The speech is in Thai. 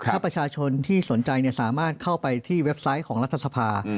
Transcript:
ถ้าประชาชนที่สนใจสามารถเข้าไปที่เว็บไซต์ของรัฐสภา